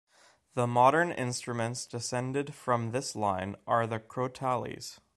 The modern instruments descended from this line are the crotales.